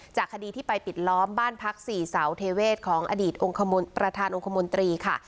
คดีที่ไปปิดล้อมบ้านพักสี่เสาเทเวศของอดีตประธานองคมนตรีค่ะ